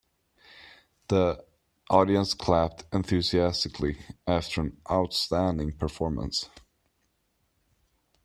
The audience clapped enthusiastically after an outstanding performance.